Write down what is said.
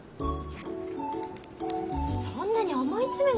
そんなに思い詰めないの。